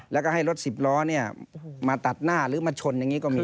แล้วก็ให้รถสิบล้อมาตัดหน้าหรือมาชนอย่างนี้ก็มี